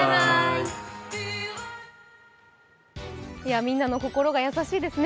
みんなの心が優しいですね。